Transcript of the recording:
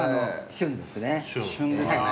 旬ですね。